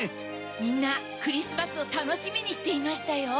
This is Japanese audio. みんなクリスマスをたのしみにしていましたよ。